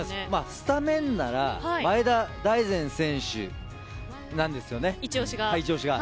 スタメンなら、前田大然選手なんですよね、一押しが。